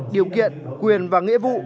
điều kiện quyền và nghĩa vụ